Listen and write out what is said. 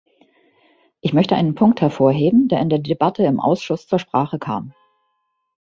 Ich möchte einen Punkt hervorheben, der in der Debatte im Ausschuss zur Sprache kam.